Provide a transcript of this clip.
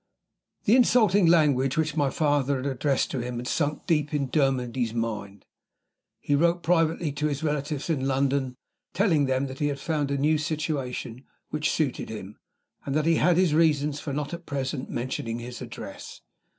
The insulting language which my father had addressed to him had sunk deep in Dermody's mind. He wrote privately to his relatives in London, telling them that he had found a new situation which suited him, and that he had his reasons for not at present mentioning his address.